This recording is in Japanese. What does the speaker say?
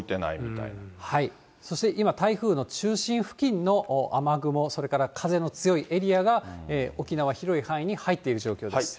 そして今、台風の中心付近の雨雲、それから風の強いエリアが、沖縄、広い範囲に入っている状況です。